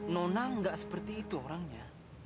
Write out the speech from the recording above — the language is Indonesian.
nona nggak seperti itu orangnya